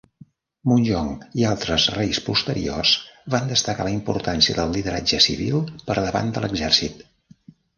Munjong, i altres reis posteriors, van destacar la importància del lideratge civil per davant de l'exèrcit.